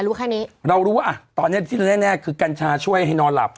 รู้แค่นี้เรารู้ว่าอ่ะตอนเนี้ยที่แน่คือกัญชาช่วยให้นอนหลับ